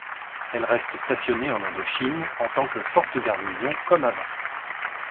Elle reste stationnée en Indochine en tant que force de garnison comme avant.